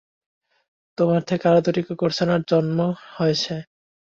তোমার থেকে আরো দুটি কুকুরছানার জন্ম হয়েছে।